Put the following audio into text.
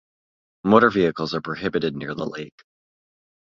Motor vehicles are prohibited near the lake.